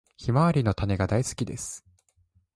ヒマワリの種が大好きです。